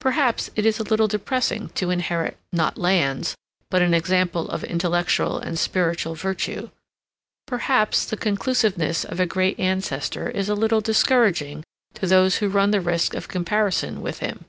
Perhaps it is a little depressing to inherit not lands but an example of intellectual and spiritual virtue; perhaps the conclusiveness of a great ancestor is a little discouraging to those who run the risk of comparison with him.